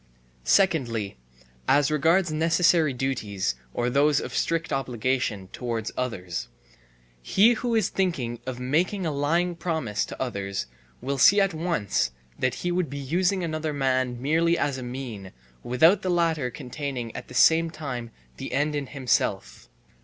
Secondly, as regards necessary duties, or those of strict obligation, towards others: He who is thinking of making a lying promise to others will see at once that he would be using another man merely as a mean, without the latter containing at the same time the end in himself.